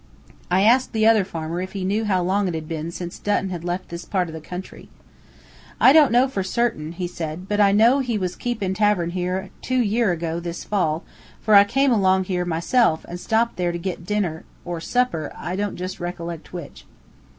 I asked the other farmer if he knew how long it had been since Dutton had left this part of the country. "I don't know fur certain," he said, "but I know he was keeping tavern here two year' ago, this fall, fur I came along here, myself, and stopped there to git supper or dinner, I don't jist ree collect which."